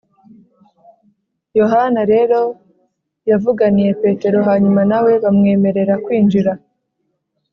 yohana rero yavuganiye petero, hanyuma na we bamwemerera kwinjira